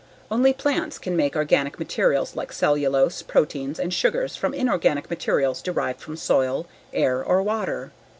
Only plants can make organic materials like cellulose, proteins, and sugars from inorganic minerals derived from soil, air or water.